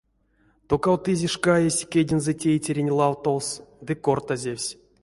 Токавтызе шкаесь кедензэ тейтеренть лавтовс ды кортазевсь.